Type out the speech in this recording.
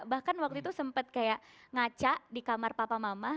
bahkan waktu itu sempat kayak ngaca di kamar papa mama